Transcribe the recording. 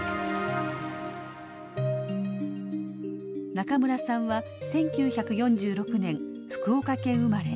中村さんは１９４６年福岡県生まれ。